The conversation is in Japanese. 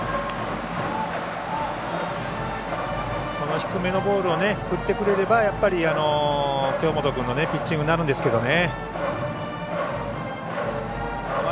低めのボールを振ってくれれば京本君のピッチングになるんですけどね。